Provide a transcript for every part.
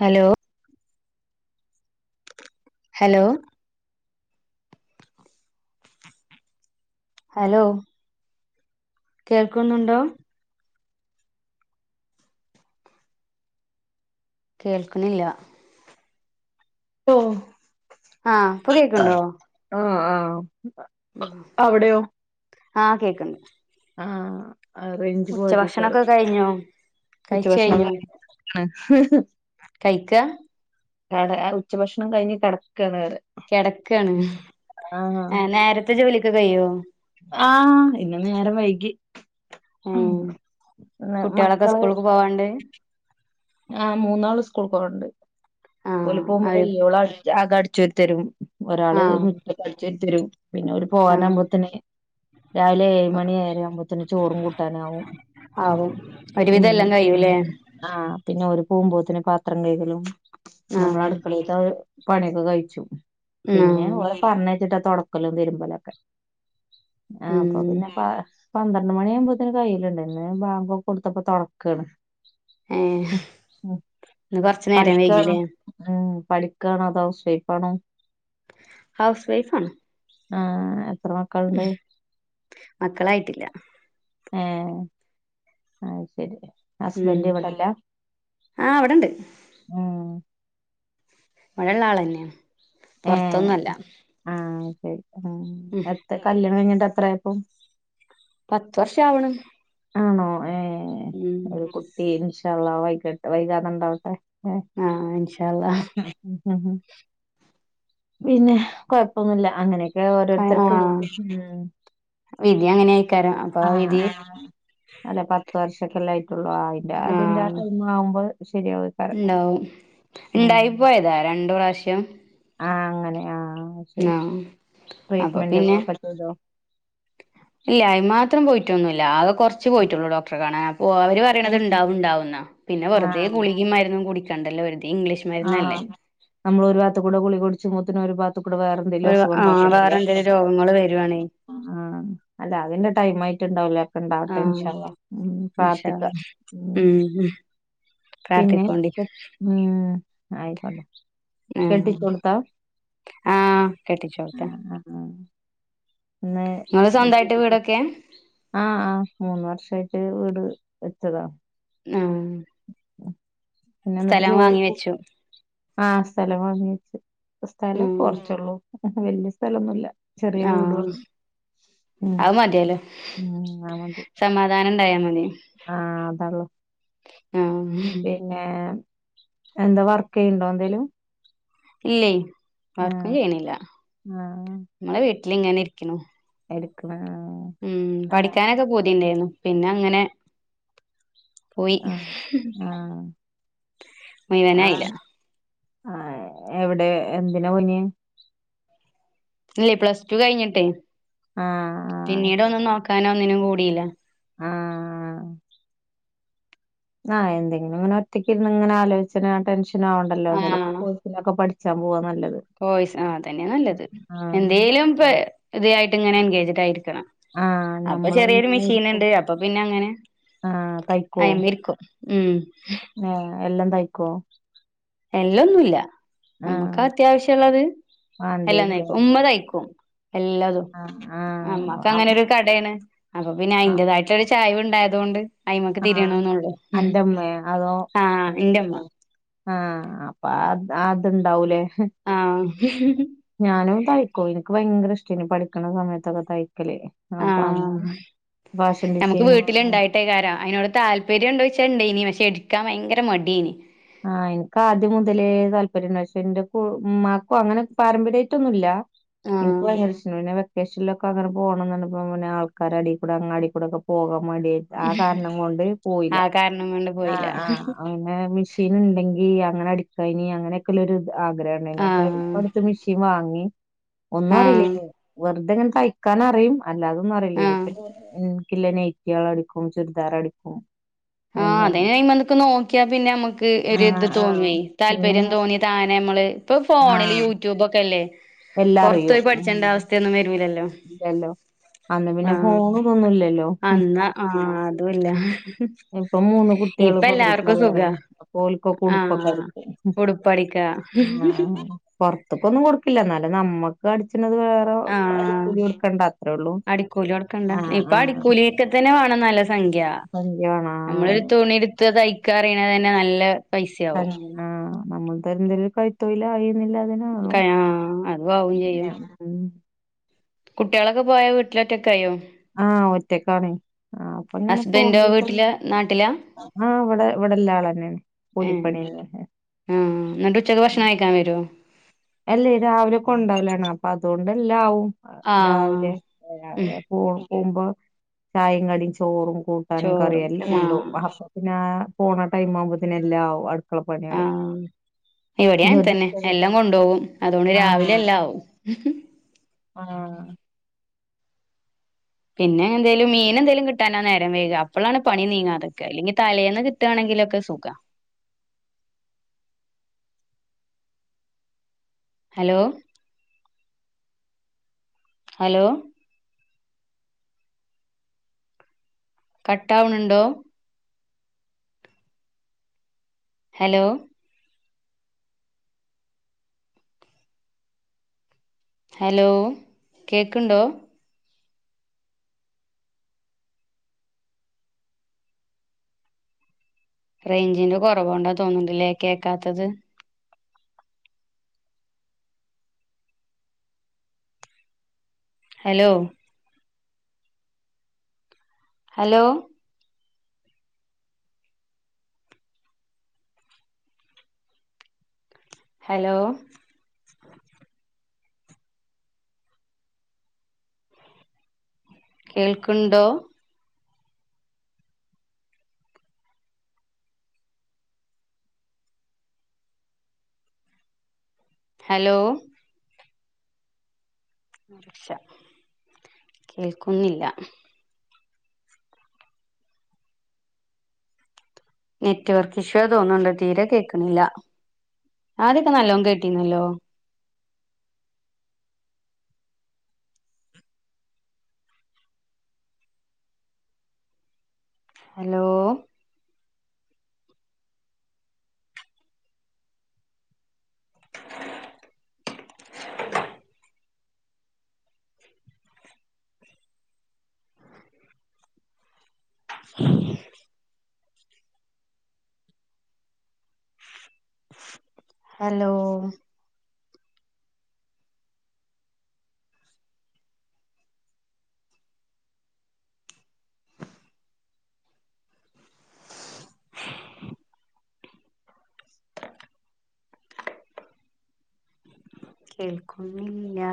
Hello hello hello കേൾക്കുന്നുണ്ടോ കേൾക്കണില്ല ഓഹ് ആഹ് ഇപ്പൊ കേൾക്കുണ്ടോ ആഹ് ആഹ് ഉം അവിടെയോ ആഹ് കേക്ക്ണ്ട് ആഹ് റേഞ്ച് ഉച്ചഭക്ഷണൊക്കെ പോയതെക്കാരും കഴിഞ്ഞോ കഴിച്ച് ഉച്ചഭക്ഷണം കഴിഞ്ഞോ [unintelligible] കഴിക്കാ ഉച്ചഭക്ഷണം കഴിഞ്ഞ് കിടക്കണ് അവർ കിടക്കണ് ആഹ് നേരത്തെ ജോലിയൊക്കെ കയ്യോ ആഹ് ഇന്ന് നേരം വൈകി ഉം ഇന്ന് കുട്ട്യാളൊക്കെ മക്കള് സ്കൂൾക്ക് പോവണ്ട് ആഹ് മൂന്നാള് സ്കൂൾക്ക് പോകാണ്ട് ആഹ് ഒല് പോകുമ്പോ അവര് വലിയോള് ആകം അടിച്ചുവാരിത്തരും ഒരാള് ആഹ് മുറ്റം അടിച്ച് വാരുത്തരും പിന്നെ ആഹ് പോകാനാവുമ്പോത്തിന് രാവിലെ ഏഴ് മണി ഏഴര ആവുമ്പോത്തിന് ചോറും കൂട്ടാനാവും ഒരു ഉം വിതം എല്ലാം കയ്യുംല്ലെ ആഹ് പിന്നെ ഒരു പോവുമ്പോത്തേന പാത്രം കയ്കലും നമ്മള ആഹ് അടുക്കളേതെ പണിയൊക്കെ കഴിച്ചു ആഹ് പിന്നെ പറഞ്ഞേച്ചിട്ടാ തൊടക്കലും തിരുമ്പലൊക്കെ ആഹ് ഉം അപ്പൊപിന്നെ പന്ത്രണ്ട് മണിയവുമ്പത്തേന് കയ്യിലുണ്ട് ഇന്ന് ബാങ്കൊക്കെ കൊടുത്തപ്പോ തൊടക്കാണ് ഏഹ് ഇന്ന് കൊറച്ച്നേരം പഠിക്കാണ് വൈകീലെ ഉം പഠിക്കാണോ അതോ ഹൗസ് വൈഫാണോ ഹൗസ് വൈഫാണ് ആഹ് എത്ര മക്കള് ണ്ട് മക്കളായിട്ടില്ല ഏഹ് അയ്ശരി ഉം ഉം ആഹ് ഇവിടെണ്ട് ഉം ഇവടള്ള ആളന്നെയ പൊറത്തൊന്നുവല്ല ആഹ് ശരി എത്ര കല്യാണം കഴിഞ്ഞിട്ട് എത്രയാപ്പം പത്ത് വർഷം ആവണ് ആണോ ഏഹ് ഉം ഇൻഷാള്ള വൈകട്ട് വൈകാതെ ഇണ്ടാവട്ടെ ആഹ് ഇൻഷാ അള്ളാ ഏഹ് ഉം പിന്നെ കൊഴപ്പൊന്നില്ല അങ്ങനെയക്കെ ഓരോത്തർക്ക് ആഹ് ഉം വിധി അങ്ങനെയായിക്കാരം അപ്പൊ ആ വിധി ആഹ് അല്ല പത്ത് വർഷക്കല്ല ആയിട്ടുള്ളു അതിന്റെ അതിന്റെ ആഹ് ടൈം ആവുമ്പ ശരിയാവാരിക ഇണ്ടാവും ഇണ്ടായിപ്പോയതാ രണ്ട് പ്രാശ്യം ആഹ് അങ്ങനെ ആഹ് ശരി ആഹ് അപ്പൊ പിന്നെ ട്രീറ്റ്മെന്റുകളൊക്കെ ചെയ്തോ ഇല്ല അയ്മാത്രം പോയിട്ടൊന്നൂല്ല ആകെ കൊറച്ച് പോയിട്ടുള്ളൂ ഡോക്ടറെ കാണാൻ ഓഹ് അവര് പറയണത് ഇണ്ടാവു ഇണ്ടാവുന്നാ പിന്നെ വെറുതെ ആഹ് ഗുളികേം മരുന്നും കുടിക്ക കണ്ടല്ല ഒരുതി ഇംഗ്ലീഷ്മരുന്നല്ലേ നമ്മൾ ഒരു ഭാത്തുകൂടെ ഗുളികകുടിച്ചു ഒരുഭാഗത്തുകൂടെ വേറെ എന്തേലും ആഹ് വേറെ അസുഖൊണ്ടാക്കണ്ടല്ലെ എന്തേലും രോഗങ്ങള് വരുവാണേ ആഹ് അല്ല അതിന്റെ ടൈം ആയിട്ടിണ്ടാവല്ലെ ഇണ്ടാവട്ടെ ആഹ് ഇൻഷാള്ള ഉം ഇൻഷാ പ്രാർഥിക്ക അള്ളാ ഉം പിന്നെ പ്രാർത്ഥിക്കോണ്ടി ഉം ആയിക്കോണ്ട ആഹ് ആകെട്ടിച്ചോടത്ത ആഹ് ആഹ് ഇന്ന് ഇങ്ങള് സ്വന്തായിട്ട് വീടൊക്കെയ ആഹ് ആഹ് മൂന്ന് വർഷായിട്ട് വീട് വച്ചതാ ആഹ് പിന്നെന്നിട്ട് സ്ഥലം ജോ വാങ്ങി [unintelligible] വെച്ചു ആഹ് സ്ഥലം വാങ്ങിവെച്ച് സ്ഥലം ഉം കുറച്ചുള്ളൂ വല്യ സ്ഥലൊന്നുല്ല ചെറിയ വീടുവ ആഹ് അത് മതിയല്ലോ ഉം അത് മതി സമാധാനം ഇണ്ടായാ മതി ആഹ് അതള്ളു ആഹ് പിന്നേ എന്താ വർക്ക് ചെയ്യണ്ട എന്തേലും ഇല്ലേ വർക്കും ആഹ് ചെയ്യണില്ല ആഹ് നമ്മള് വീട്ടിലിങ്ങനെ ഇരിക്കണു എടുക്കണ ഉം ആഹ് പഠിക്കാനൊക്കെ പൂതിയിണ്ടാരുന്നു പിന്നെ അങ്ങനെ പോയി ആഹ് ആഹ് ആഹ് മുഴവനായില്ല ആഹ് ആഹ് എവിടെ എന്തിനാ പോയിന് ഇല്ലേ പ്ലസ് ടു കഴിഞ്ഞിട്ടെ ആഹ് പിന്നീട് ആഹ് ഒന്നും നോക്കാനോ ഒന്നിനും കൂടിയില്ല ആഹ് ആഹ് എന്തെങ്കിലും ഇങ്ങനെ ഒറ്റയ്ക്ക് ഇരുന്ന് ഇങ്ങനെ ആലോചിച്ച് ഇങ്ങനെ ടെൻഷനാവണ്ടല്ലോ [unintelligible] ലുമൊക്കെ പഠിച്ചാൻ പോവാ നല്ലത് വോയിസ് അതന്നെ നല്ലത് ആഹ് എന്തേലും പേ ഇതു ആയിട്ട് ഇങ്ങനെ എൻഗേജഡ് ആയിരിക്കണം ആഹ് അപ്പൊ ചെറിയൊരു നമ്മളൊന്ന് മെഷീൻ ഇരിക്കും ഉണ്ട് അപ്പൊ പിന്നെ അങ്ങനെ ആഹ് അയുമേരിക്കും മ്മ് ആഹ് എല്ലാം തയ്ക്കോ എല്ലന്നുമില്ല ആഹ് നമ്മുക്കാ അത്യാവശ്യം ഉള്ളത് എല്ലാം വാണ്ടിയേതില്ലേ തയിക്കും ഉമ്മ തയിക്കും എല്ലാതും ആഹ് ആഹ് നമ്മക്ക് അം അങ്ങനൊരു കടയാണ് അപ്പൊ പിന്നെ ആഹ് അതിന്റേതായിട്ട് ഒരു ചായ്‌വ് ഉണ്ടായതുകൊണ്ട് അയിമേക്ക് ആഹ് തിരിയണന്നുള്ളു അന്റെമ്മേ അതോ ആഹ് എന്റെമ്മ. ആഹ് അപ്പൊ അ അതുണ്ടാവൂലേ അ [unintelligible] ഞാനും തയ്ക്കും എനിക്ക് ഭയങ്കര ഇഷ്ടനി പഠിക്കണ സമയത്തൊക്കെ തയ്ക്കല് ആഹ് അപ്പം അങ്ങനെ ഫാഷൻ ഡിസൈനിംഗ് കാരം അതിനോട് താല്പര്യം ഉണ്ടോന്ന് ചോദിച്ച ഉണ്ടയേനി പക്ഷെ എടുക്കാൻ ഭയങ്കര മടീയനി ആഹ് എനക്ക് ആദ്യം മുതലേ താല്പര്യം ഉണ്ടായി പക്ഷെ എന്റെ കു ഉമ്മാക്കും അങ്ങനെ പാരമ്പര്യമായിട്ടൊന്നുമില്ല. എനിക്ക് ആഹ് ഭയങ്കര ഇഷ്ടേണി പിന്നെ ബസിൽ ഒകെ അങ്ങനെ പോണംന്ന് പറഞ്ഞപ്പോ പിന്നെ ആൾക്കാര് എടെകൂടെ അങ്ങാടി കൂടൊക്കെ പോവാൻ മടിയായിട്ട് ആഹ് കാരണം കൊണ്ട് പോയില്ല ആ കാരണം കൊണ്ട് പോയില്ല ആഹ് ആഹ് ആഹ് ഏഹ് മെഷീൻ ഉണ്ടെങ്കി അങ്ങനെ അടിക്ക ഇനി അങ്ങനെ സ്സിലൊരു ആഗ്രഹണ്ടായിനി അപ്പൊ ആഹ് ഇപ്പം അടുത്ത് മെഷീൻ വാങ്ങി ഒന്നും ആഹ് അറിയില്ലേയി വെറുതെ ഇങ്ങനെ തയ്ക്കാനറിയും അല്ലാതൊന്നും അറിയില്ലേയി ആഹ് ഇപ്പം എനിക്കില്ലേ നൈറ്റികൾ അടിക്കും ചുരിദാർ അടിക്കും ആഹ് എന്താ അതനേ അയിമക് നോക്കിയാ പിന്നെ നമുക്ക് ഒരു ഇത് ആഹ് ആഹ് തോന്നുവെ പിന്നെ താല്പര്യം തോന്നി താനെ നമ്മള് ഇപ്പൊ ഫോണില് ആഹ് യൂട്യൂബ് ഒക്കെല്ലേ എല്ലാം പുറത്തു അറിയും പോയി ഉം പഠിച്ചണ്ട അവസ്ഥയൊന്നും വരൂലല്ലോ ഇല്ലല്ലോ അന്ന് പിന്നെ ആഹ് ഫോണ് ഇതൊന്നുവില്ലല്ലോ മംഹ് അന്നാ ആഹ് അതുവില്ല ഇപ്പം മൂന്ന് കുട്ടികള് പെൺകുട്ടികള അപ്പൊ ഓൽക്കോക്കെ ഉടുപ്പൊക്കെ അടിക്കും ഉടുപ്പ് അടിക്ക പുറത്തക്കു ഒന്നും കൊടുക്കില്ല എന്നാലും നമ്മക്ക് അടിച്ചണത് വേറെ പോ ആഹ് അടിക്കൂലി കൊടുക്കണ്ട അത്രേ ഉള്ളൂ ആഹ് ആഹ് ഒകേതന്നെ വേണം നല്ല സംഖ്യ വേണം നമ്മളൊരു ആഹ് തുണി എടുത്ത് തയ്ക്കാറിയണതന്നെ നല്ല പൈസയാവും ആഹ് നമ്മൾ ത എന്തേലും കൈതൊയിൽ ആയി ന്നതിൽ കാ അറിവാവും ചെയ്യും മം കുട്ടികളൊക്കെ പോയാ വീട്ടിലോറ്റൊക്കെ ആയോ ആഹ് ഒറ്റക്കാണേ ആ അപ്പൊ ഇങ്ങനെ ഹസ്ബൻഡോ ഫോണിൽ വീട്ടില് നാട്ടിലാ ആഹ് ഇവിടെ ഇവിടുള്ള ആൾ തന്നെയാണ് കൂലിപ്പണി തന്നെയാണ് ആഹ് എന്നിട്ട് ഉച്ചക്ക് ഭക്ഷണം കഴിക്കാൻ വരുവോ അല്ലേ രാവിലെ കൊണ്ടേവലാണ് അപ്പൊ അതുകൊണ്ടല്ലാവും ആഹ് രാവിലെ ഉം രാവിലെ പോകുമ്പോ ചായയും കടിയും ചോറും കൂട്ട ട്ടാനും കറിയും ചോറും എല്ലോം കൊണ്ടോവും ആഹ് അപ്പോപ്പിനെ പോണ ടൈം ആവുമ്പോത്തേന് എല്ലാമാവും അടുപ്പ ആഹ് ഇവിടെ അങ്ങനെ ഇന്നൊരു തന്നെ ദിവസം എല്ലാം കൊണ്ടുപോകും അതുകൊണ്ട് രാവിലെ ആഹ് എല്ലാവും ആഹ് പിന്നെ എന്തേലും മീനെന്താലും കിട്ടാനാ നേരം വൈക അപ്പോളാണ് പണി നീങ്ങാതെ നിക്ക ഇല്ലെങ്കി തലേന്ന് ട്ടാ ണെങ്കിലൊക്കെ സുഖ. ഹലോ. ഹലോ. കട്ടാവ്ണുണ്ടോ? ഹലോ. ഹലോ കേക്കുണ്ടോ? റൈഞ്ചിന്റെ കൊറവോണ്ടാ തോന്ന്ണ്ടില്ലേ കേക്കാത്തത്. ഹലോ. ഹലോ. ഹലോ. കേൾക്ക്ണ്ടോ? ഹലോ. [inaudible] ക്ഷ കേൾക്കുന്നില്ല. നെറ്റ് വർക്ക് ഇഷ്വാ തോന്ന്ണ്ട് തീരെ കേക്കണില്ല. ആദ്യക്കെ നല്ലോം കേട്ടിന്നല്ലോ. ഹലോ. ഹലോ. കേൾക്കുന്നില്ല.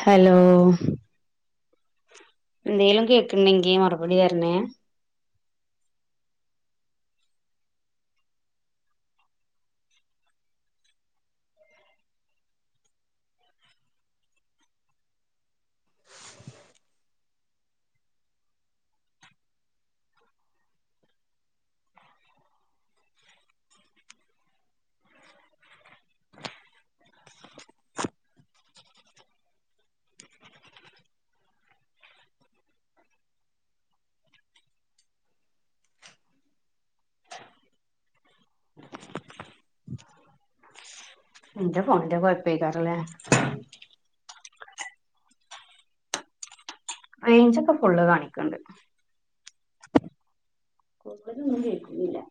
ഹലോ. ന്തേലും കേക്ക്ണ്ടെങ്കി മറുപടി തരണെ. ന്റെ ഫോണിന്റെ കൊഴപ്പേക്കാരല്ലേ? റൈഞ്ചൊക്കെ ഫുള്ള് കാണിക്ക്ണ്ട്. [inaudible] ന്നും കേക്കുന്നില്ല.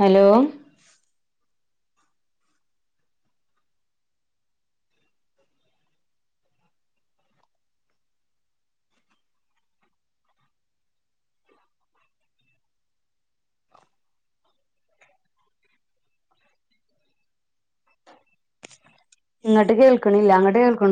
ഹലോ. ഇങ്ങട്ട് കേൾക്ക്ണില്ല അങ്ങട്ട് കേൾക്ക്.